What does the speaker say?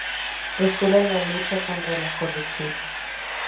Postula la lucha contra la corrupción.